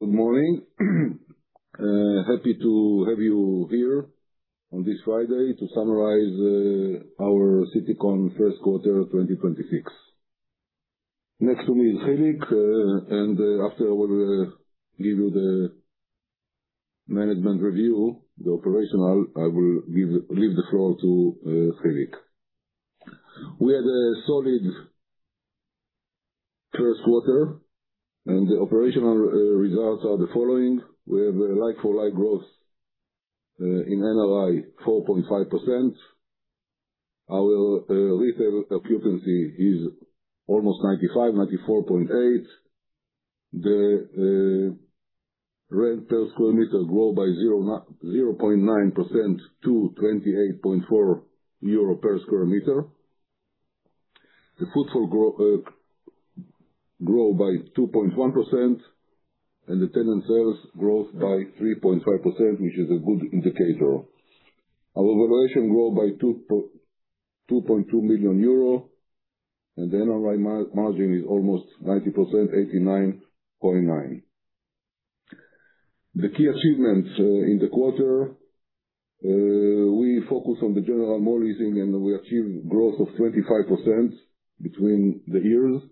Good morning. Happy to have you here on this Friday to summarize our Citycon first quarter 2026. Next to me is Hilik, and after I will give you the management review, the operational, I will leave the floor to Hilik. We had a solid first quarter. The operational results are the following. We have a like-for-like growth in NRI 4.5%. Our retail occupancy is almost 95, 94.8. The rent per sq m grow by 0.9% to 28.4 euro per sq m. The footfall grow by 2.1%, and the tenant sales grows by 3.5%, which is a good indicator. Our valuation grow by 2.2 million euro, and the NRI margin is almost 90%, 89.9%. The key achievements in the quarter, we focus on the general mall leasing, and we achieve growth of 25% between the years,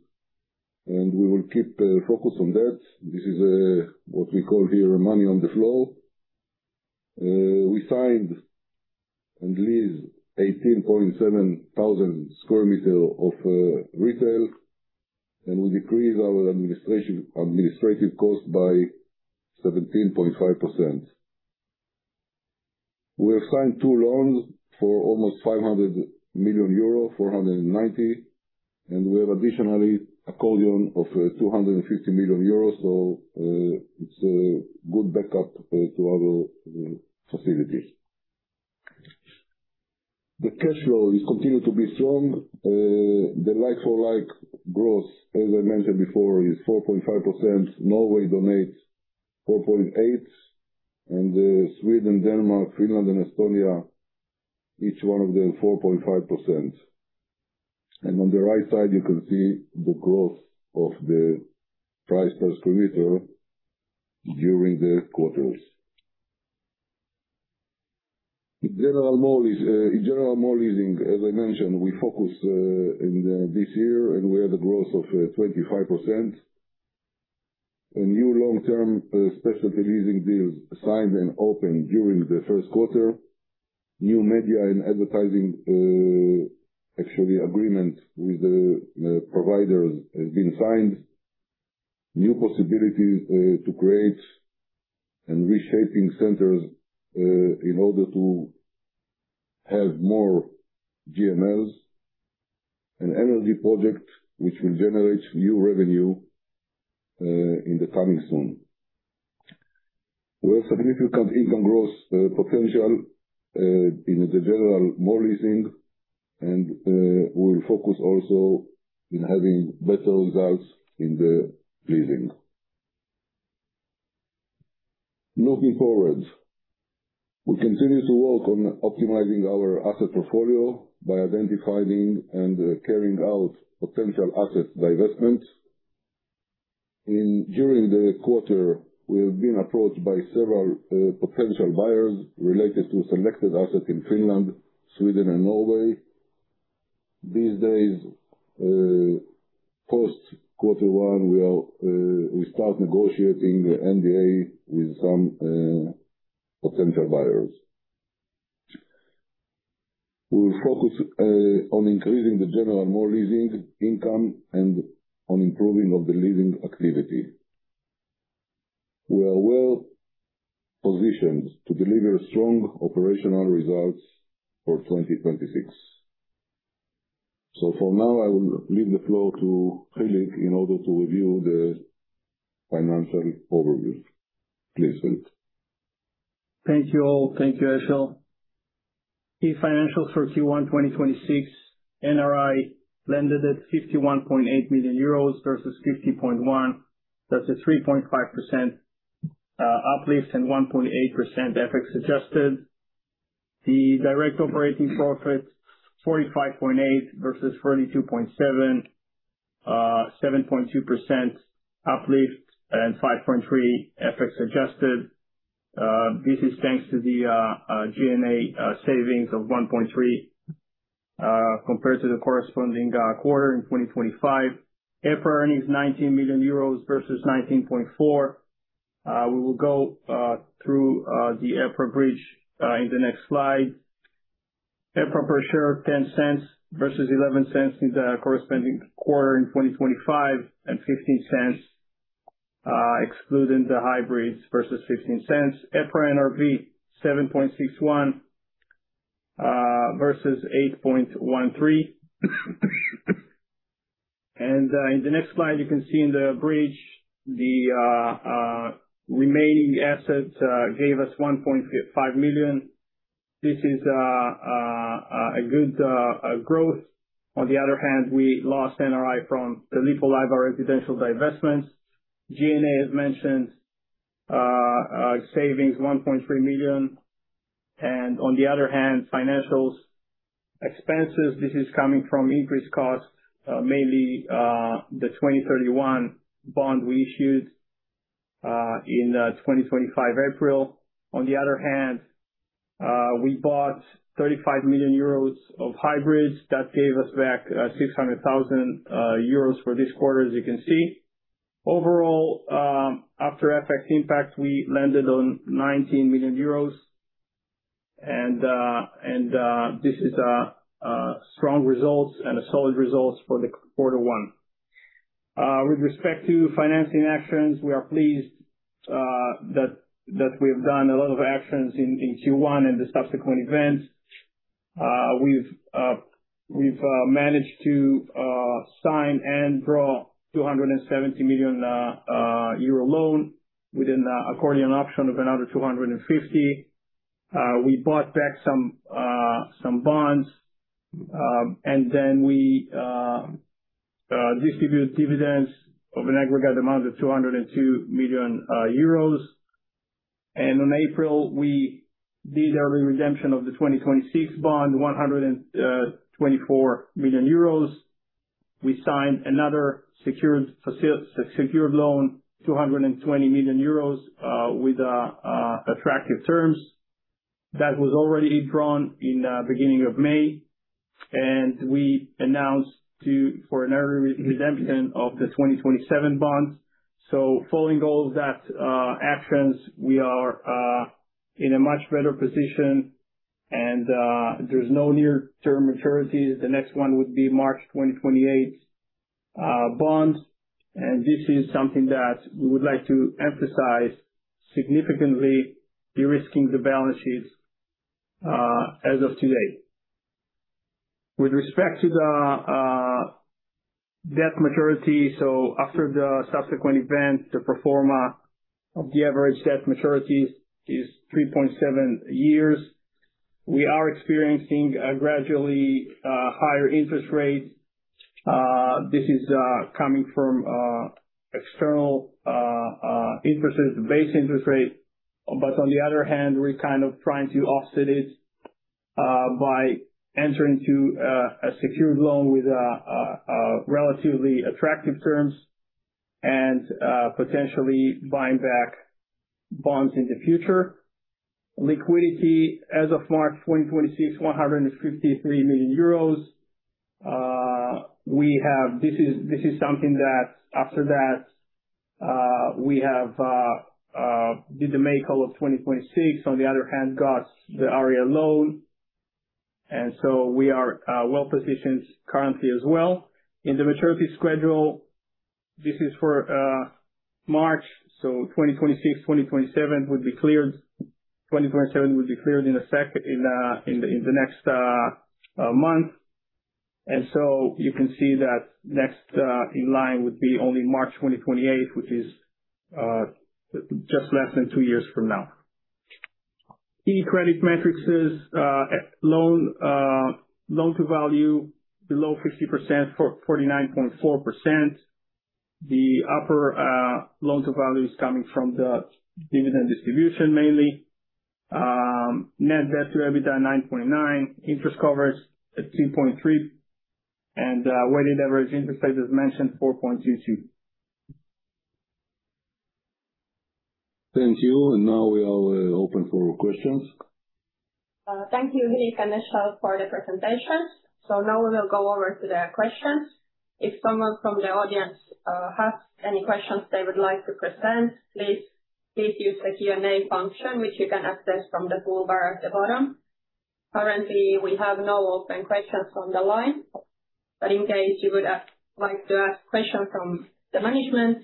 and we will keep focus on that. This is what we call here money on the floor. We signed and leased 18.7 thousand sq m of retail, and we decreased our administrative cost by 17.5%. We have signed two loans for almost 500 million euro, 490, and we have additionally a call loan of 250 million euros. It's a good backup to our facilities. The cash flow is continued to be strong. The like-for-like growth, as I mentioned before, is 4.5%. Norway denotes 4.8%, Sweden, Denmark, Finland, and Estonia, each one of them 4.5%. On the right side, you can see the growth of the price per square meter during the quarters. The general mall is in general mall leasing, as I mentioned, we focus this year, we had a growth of 25%. A new long-term specialty leasing deals signed and opened during the first quarter. New media and advertising, actually agreement with the providers has been signed. New possibilities to create and reshaping centers in order to have more GMLs. An energy project which will generate new revenue in the coming soon. We have significant income growth potential in the general mall leasing and we'll focus also in having better results in the leasing. Looking forward, we continue to work on optimizing our asset portfolio by identifying and carrying out potential asset divestments. During the quarter, we have been approached by several potential buyers related to selected assets in Finland, Sweden, and Norway. These days, post quarter one, we start negotiating NDA with some potential buyers. We will focus on increasing the general mall leasing income and on improving of the leasing activity. We are well-positioned to deliver strong operational results for 2026. For now, I will leave the floor to Hilik in order to review the financial overview. Please, Hilik. Thank you all. Thank you, Eshel. The financials for Q1 2026, NRI landed at 51.8 million euros versus 50.1 million. That's a 3.5% uplift and 1.8% FX adjusted. The direct operating profit, 45.8 million versus 42.7 million. 7.2% uplift and 5.3% FX adjusted. This is thanks to the G&A savings of 1.3 million compared to the corresponding quarter in 2025. EPRA earnings 19 million euros versus 19.4 million. We will go through the EPRA bridge in the next slide. EPRA per share, 0.10 versus 0.11 in the corresponding quarter in 2025, and 0.15 excluding the hybrids versus 0.15. EPRA NRV 7.61 versus 8.13. In the next slide, you can see in the bridge the remaining assets gave us 1.5 million. This is a good growth. On the other hand, we lost NRI from the Lippulaiva residential divestments. G&A, as mentioned, savings 1.3 million. On the other hand, financials expenses. This is coming from increased costs, mainly the 2031 bond we issued in 2025 April. On the other hand, we bought 35 million euros of hybrids that gave us back 600,000 euros for this quarter, as you can see. Overall, after FX impact, we landed on EUR 19 million and this is strong results and a solid results for the quarter one. With respect to financing actions, we are pleased that we've done a lot of actions in Q1 and the subsequent events. We've managed to sign and draw 270 million euro loan with an accordion option of another 250 million. We bought back some bonds, distributed dividends of an aggregate amount of 202 million euros. In April, we did a re-redemption of the 2026 bond, 124 million euros. We signed another secured loan, 220 million euros, with attractive terms. That was already drawn in the beginning of May, and we announced for an early redemption of the 2027 bonds. Following all of that, actions, we are in a much better position and there's no near-term maturities. The next one would be March 2028 bonds, and this is something that we would like to emphasize, significantly de-risking the balance sheets as of today. With respect to the debt maturity, after the subsequent event, the pro forma of the average debt maturity is 3.7 years. We are experiencing a gradually higher interest rates. This is coming from external interest, base interest rate. On the other hand, we're kind of trying to offset it by entering to a secured loan with relatively attractive terms and potentially buying back bonds in the future. Liquidity as of March 2026, 153 million euros. We have—This is something that after that, we have did the make-whole of 2026, on the other hand, got the Aareal loan, we are well-positioned currently as well. In the maturity schedule, this is for March, 2026, 2027 would be cleared. 2027 would be cleared in the next month. You can see that next in line would be only March 2028, which is just less than two years from now. Key credit metrics is loan to value below 50%, for 49.4%. The upper loan to value is coming from the dividend distribution mainly. Net debt to EBITDA, 9.9. Interest coverage at 2.3. Weighted average interest, as mentioned, 4.22. Thank you. Now we are open for questions. Thank you, Hilik and Eshel and for the presentation. Now we will go over to the questions. If someone from the audience has any questions they would like to present, please use the Q and A function, which you can access from the toolbar at the bottom. Currently, we have no open questions on the line, but in case you would like to ask questions from the management,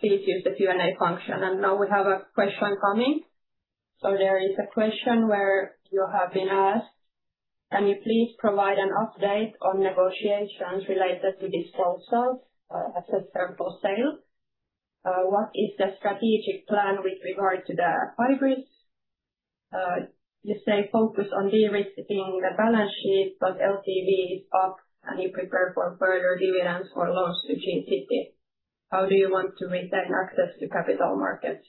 please use the Q and A function. Now we have a question coming. There is a question where you have been asked: Can you please provide an update on negotiations related to disposals, assets for sale? What is the strategic plan with regard to the hybrids? You say focus on de-risking the balance sheet, but LTV is up and you prepare for further dividends or loans to G City. How do you want to retain access to capital markets?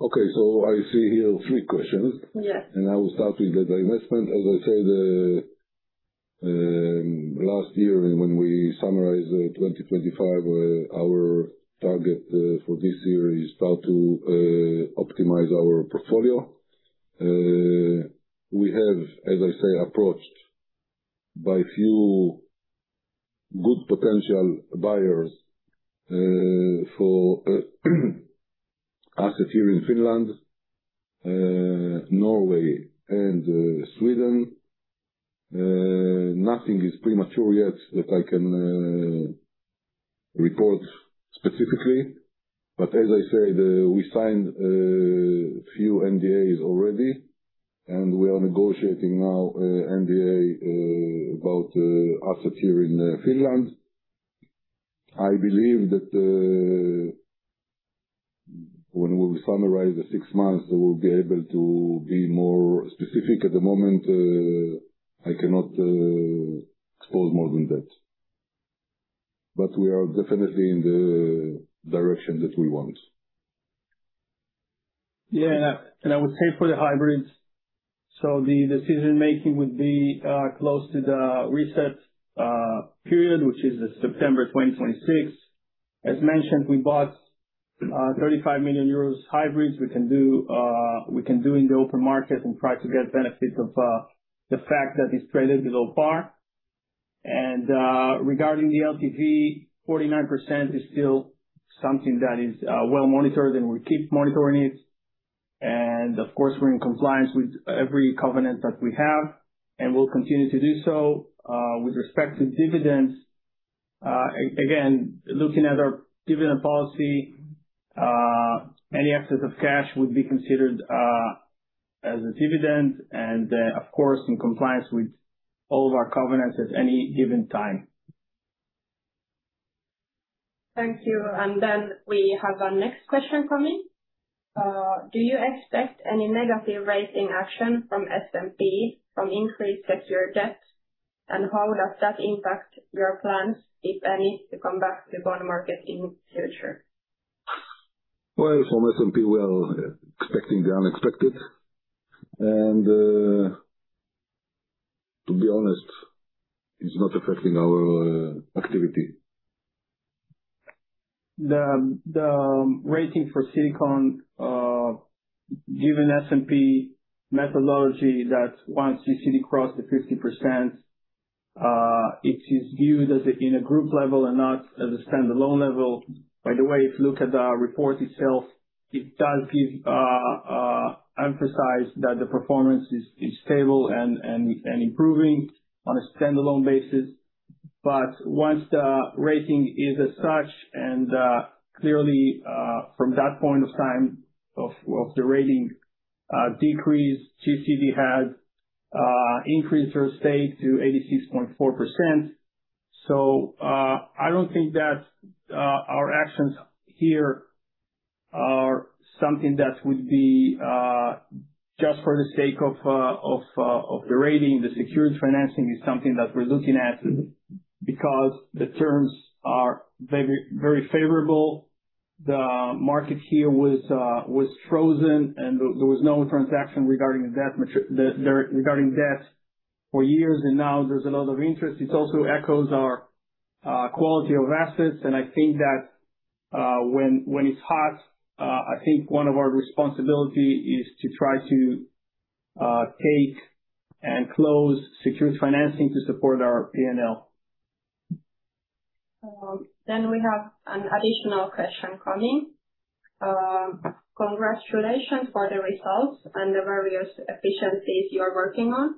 Okay. I see here three questions. Yes. I will start with the divestment. As I said, last year when we summarized 2025, our target for this year is how to optimize our portfolio. We have, as I say, approached by few good potential buyers for assets here in Finland, Norway and Sweden. Nothing is pretty mature yet that I can report specifically. As I said, we signed a few NDAs already, and we are negotiating now NDA about assets here in Finland. I believe that when we will summarize the six months, we'll be able to be more specific. At the moment, I cannot expose more than that. We are definitely in the direction that we want. Yeah. I would say for the hybrids. The decision-making would be close to the reset period, which is September 2026. As mentioned, we bought 35 million euros hybrids. We can do in the open market and try to get benefit of the fact that it's traded below par. Regarding the LTV, 49% is still something that is well-monitored, and we keep monitoring it. Of course, we're in compliance with every covenant that we have, and we'll continue to do so. With respect to dividends, again, looking at our dividend policy, any excess of cash would be considered as a dividend, and then, of course, in compliance with all of our covenants at any given time. Thank you. Then we have our next question coming. Do you expect any negative rating action from S&P from increased secure debt? How would that impact your plans, if any, to come back to the bond market in future? Well, from S&P, we are expecting the unexpected. To be honest, it's not affecting our activity. Rating for Citycon, given S&P methodology that once G City cross the 50%, it is viewed in a group level and not as a standalone level. By the way, if you look at the report itself, it does give emphasize that the performance is stable and improving on a standalone basis. Once the rating is as such, and clearly from that point of time of the rating decrease, G City has increased her stake to 86.4%. I don't think that our actions here are something that would be just for the sake of the rating. Secured financing is something that we're looking at because the terms are very favorable. The market here was frozen, there was no transaction regarding debt for years. Now there's a lot of interest. It also echoes our quality of assets. I think that when it's hot, I think one of our responsibility is to try to take and close secured financing to support our P&L. We have an additional question coming. Congratulations for the results and the various efficiencies you are working on.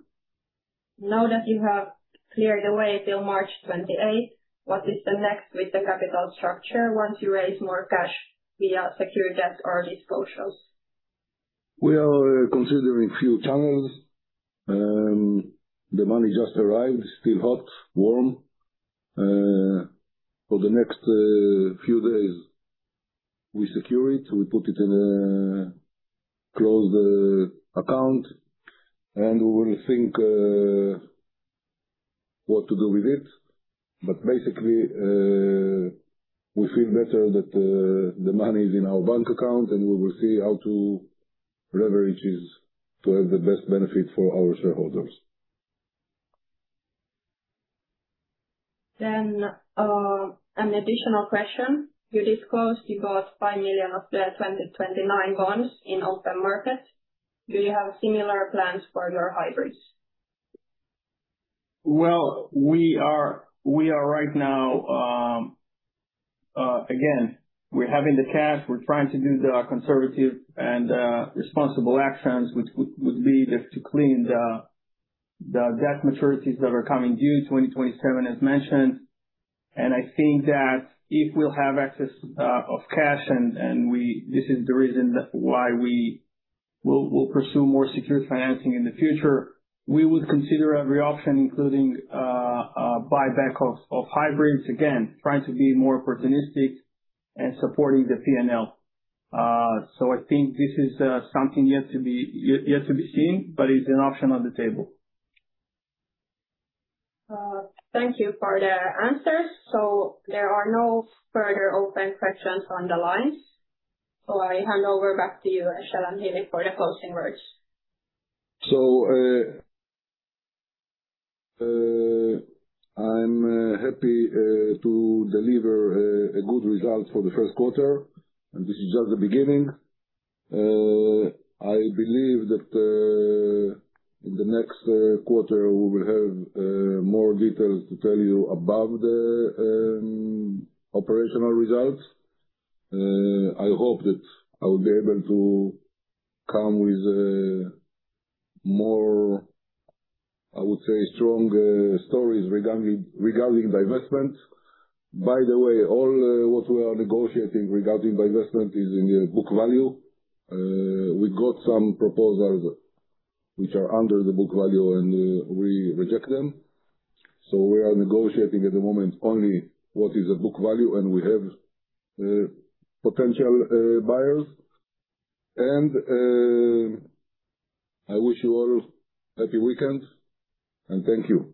Now that you have cleared the way till March 28, what is the next with the capital structure once you raise more cash via secured debt or disposals? We are considering few channels. The money just arrived, still hot, warm. For the next few days, we secure it, we put it in a closed account, and we will think what to do with it. Basically, we feel better that the money is in our bank account, and we will see how to leverage it to have the best benefit for our shareholders. An additional question. You disclosed you bought 5 million of the 2029 bonds in open market. Do you have similar plans for your hybrids? Well, we are right now, again, we're having the cash. We're trying to do the conservative and responsible actions, which would be just to clean the debt maturities that are coming due 2027, as mentioned. I think that if we'll have access of cash and—This is the reason that why we will pursue more secure financing in the future. We would consider every option, including buyback of hybrids, again, trying to be more opportunistic and supporting the P&L. I think this is something yet to be seen, but it's an option on the table. Thank you for the answers. There are no further open questions on the line. I hand over back to you, Eshel and Hilik, for the closing words. I'm happy to deliver a good result for the first quarter, and this is just the beginning. I believe that in the next quarter, we will have more details to tell you about the operational results. I hope that I will be able to come with more, I would say, strong stories regarding divestment. By the way, all what we are negotiating regarding divestment is in the book value. We got some proposals which are under the book value, and we reject them. We are negotiating at the moment only what is a book value, and we have potential buyers. I wish you all happy weekend, and thank you.